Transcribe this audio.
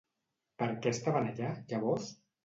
Per què estaven allà, llavors?